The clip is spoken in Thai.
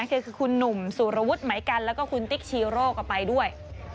ก็คือคุณหนุ่มสุรวุฒิไหมกันแล้วก็คุณติ๊กชีโร่ก็ไปด้วย